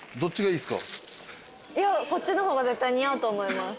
いやこっちの方が絶対似合うと思います。